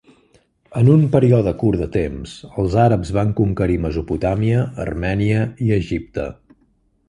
En un període curt de temps, el àrabs van conquerir Mesopotàmia, Armènia i Egipte.